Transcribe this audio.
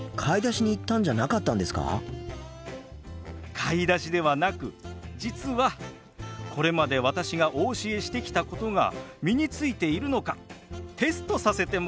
買い出しではなく実はこれまで私がお教えしてきたことが身についているのかテストさせてもらったんです。